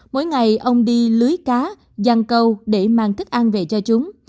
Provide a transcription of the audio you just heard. mỗi ngày ông đi lưới cá dăng câu để mang thức ăn về cho chúng